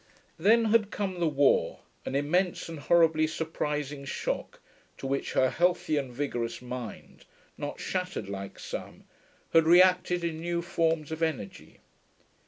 Then had come the war, an immense and horribly surprising shock, to which her healthy and vigorous mind, not shattered like some, had reacted in new forms of energy.